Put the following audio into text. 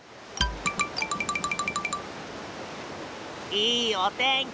いいおてんき。